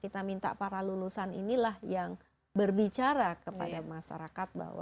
kita minta para lulusan inilah yang berbicara kepada masyarakat bahwa